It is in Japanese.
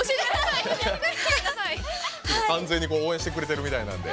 完全に応援してくれてるみたいなんで。